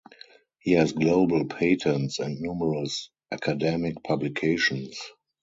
He has global patents and numerous academic publications.